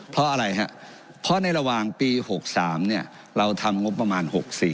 เพราะอะไรครับเพราะในระหว่างปี๖๓เราทำงบประมาณ๖๔